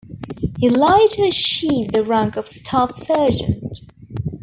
He later achieved the rank of staff-sergeant.